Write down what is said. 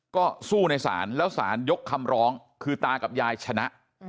ก็สู้ในศาลแล้วสารยกคำร้องคือตากับยายชนะ